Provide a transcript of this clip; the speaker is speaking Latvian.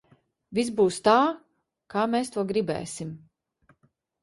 Viss būs tā, kā mēs to gribēsim!